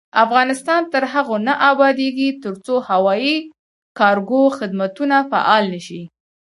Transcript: افغانستان تر هغو نه ابادیږي، ترڅو هوایي کارګو خدمتونه فعال نشي.